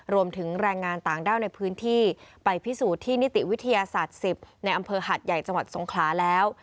รวมถึงแรงงานต่างด้าวในพื้นที่ไปพิสูจน์ที่นิติวิทยาศาสตร์๑๐ในอำเภอหัดใหญ่จังหวัดสงขลาแล้ว